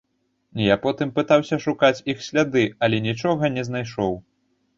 Я потым пытаўся шукаць іх сляды, але нічога не знайшоў.